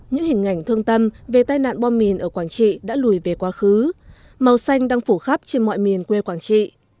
những hình ảnh thương tâm về tai nạn bom mìn ở quảng trị đã lùi về quá khứ màu xanh đang phủ khắp trên mọi miền quê quảng trị